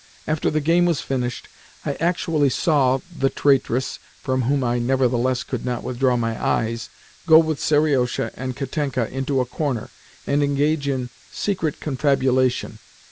After the game was finished, I actually saw "the traitress" (from whom I nevertheless could not withdraw my eyes) go with Seriosha and Katenka into a corner, and engage in secret confabulation.